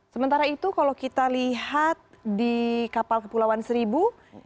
sementara itu kalau kita lihat di kapal kepulauan seribu